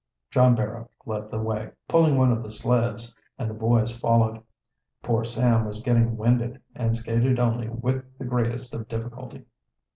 John Barrow led the way, pulling one of the sleds, and the boys followed. Poor Sam was getting winded and skated only with the greatest of difficulty.